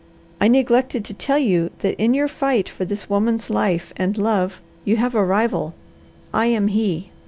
"I neglected to tell you that in your fight for this woman's life and love you have a rival. I am he.